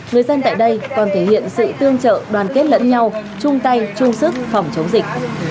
người dân tại đây còn thể hiện sự tương trợ đoàn kết lẫn nhau chung tay chung sức phòng chống dịch